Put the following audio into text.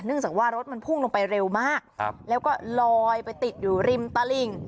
จากว่ารถมันพุ่งลงไปเร็วมากแล้วก็ลอยไปติดอยู่ริมตลิ่ง